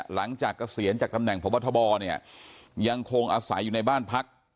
หลังจากเกษียณจากตำแหน่งพระวัทธบอร์เนี่ยยังคงอาศัยอยู่ในบ้านพรรค